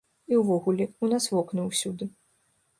І ўвогуле, у нас вокны ўсюды.